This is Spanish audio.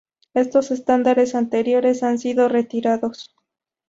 Estos estándares anteriores han sido retirados.